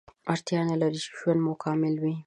اړتیا نلري چې ژوند مو کامل وي